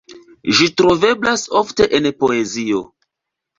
Ĝi troveblas ofte en poezio.